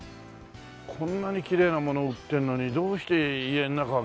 こんなにきれいなものを売ってるのにどうして家の中が汚いんだろう？